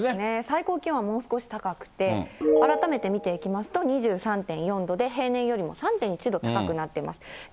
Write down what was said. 最高気温はもう少し高くて、改めて見ていきますと、２３．４度で、平年よりも３．１度高くなっています。